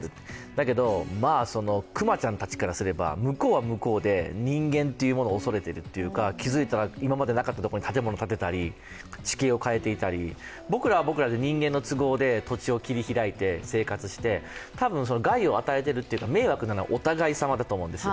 だけど、熊ちゃんたちからすれば、向こうは向こうで人間というものを恐れているというか、気づいたら、今までなかったところに建物建てたり地形を変えていたり僕らは僕らで人間の都合で土地を切り開いて生活して、たぶん害を与えているというか、迷惑なのはお互い様だと思うんです。